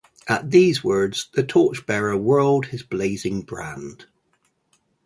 At these words, the torch-bearer whirled his blazing brand.